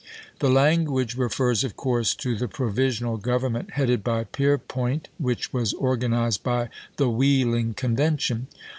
The language refers of course to the provisional govern ment headed by Peirpoint, which was organized by the Wheeling Convention.